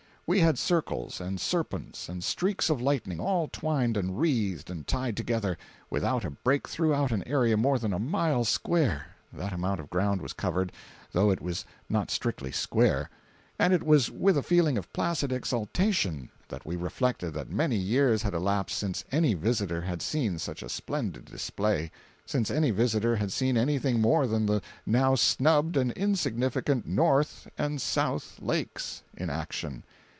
We had circles and serpents and streaks of lightning all twined and wreathed and tied together, without a break throughout an area more than a mile square (that amount of ground was covered, though it was not strictly "square"), and it was with a feeling of placid exultation that we reflected that many years had elapsed since any visitor had seen such a splendid display—since any visitor had seen anything more than the now snubbed and insignificant "North" and "South" lakes in action.